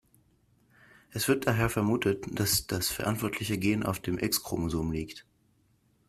Es wird daher vermutet, dass das verantwortliche Gen auf dem X-Chromosom liegt.